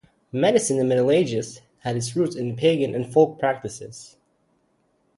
Medicine in the Middle Ages had its roots in pagan and folk practices.